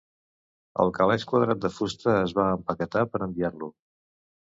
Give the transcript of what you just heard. El calaix quadrat de fusta es va empaquetar per enviar-lo.